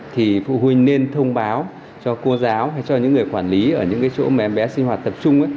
thì phụ huynh nên thông báo cho cô giáo hay cho những người quản lý ở những chỗ mà em bé sinh hoạt tập trung ấy